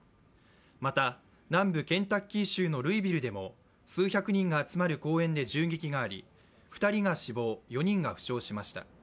また、南部ケンタッキー州のルイビルでも数百人が集まる公園で銃撃があり２人が死亡、４人が負傷しました。